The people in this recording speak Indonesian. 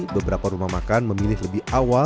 beberapa rumah makan memilih lebih awal untuk menjaga keadaan